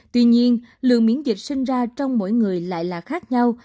tuy nhiên lượng miễn dịch sinh ra trong mỗi người lại là khác nhau